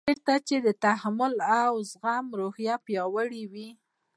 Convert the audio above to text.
چېرته چې د تحمل او زغم روحیه پیاوړې وي.